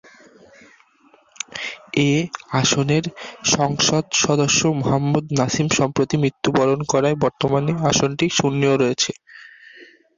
এ আসনের সংসদ সদস্য মোহাম্মদ নাসিম সম্প্রতি মৃত্যুবরণ করায় বর্তমানে আসনটি শূন্য রয়েছে।